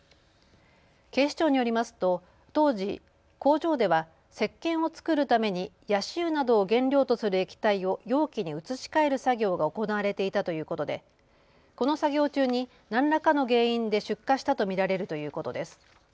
警視庁によりますと当時、工場ではせっけんを作るためにヤシ油などを原料とする液体を容器に移し替える作業が行われていたということでこの作業中に何らかの原因で出火したと見られるということです。